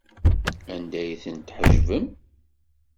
Anda ay tent-tḥejbem?